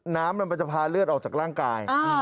มันจะพาเลือดออกจากร่างกาย